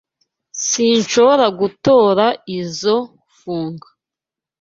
Sinshobora gutora izoi funga.